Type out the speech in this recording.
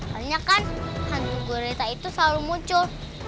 soalnya kan hantu gurita itu selalu muncul